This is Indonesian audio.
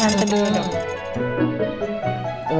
tante dulu dong